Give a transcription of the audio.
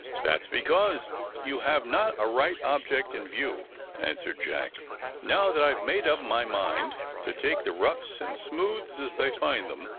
"That's because you have not a right object in view," answered Jack. "Now I have made up my mind to take the roughs and smooths as I find them.